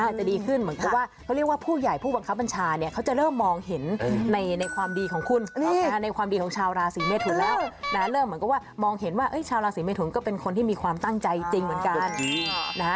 จะดีขึ้นเหมือนกับว่าเขาเรียกว่าผู้ใหญ่ผู้บังคับบัญชาเนี่ยเขาจะเริ่มมองเห็นในความดีของคุณในความดีของชาวราศีเมทุนแล้วนะเริ่มเหมือนกับว่ามองเห็นว่าชาวราศีเมทุนก็เป็นคนที่มีความตั้งใจจริงเหมือนกัน